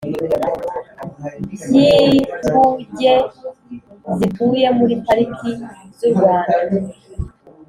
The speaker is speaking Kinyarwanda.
byi inguge zituye muri pariki z u Rwanda